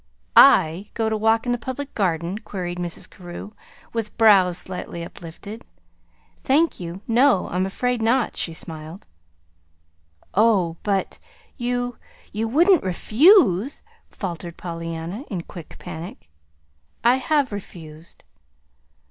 "I go to walk in the Public Garden?" queried Mrs. Carew, with brows slightly uplifted. "Thank you, no, I'm afraid not," she smiled. "Oh, but you you wouldn't REFUSE!" faltered Pollyanna, in quick panic. "I have refused."